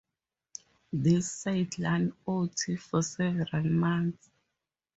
This sidelined Ott for several months.